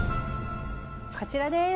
こちらです。